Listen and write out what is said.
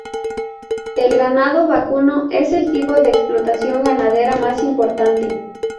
El ganado vacuno es el tipo de explotación ganadera más importante.